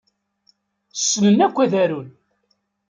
Ssnen akk ad arun.